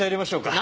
何？